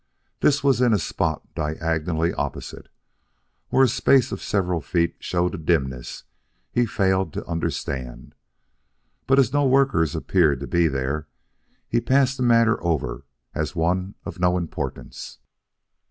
This was in a spot diagonally opposite, where a space of several feet showed a dimness he failed to understand. But as no workers appeared to be there, he passed the matter over as one of no importance.